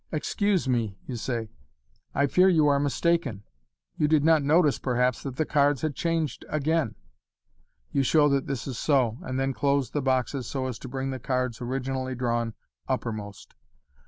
Excuse me/' you say, " I fear you are mistaken. You did not notice,, perhaps, that the cards had changed again." You show that this is so, and then close the boxes so as to bring the cards originally drawn uppermost.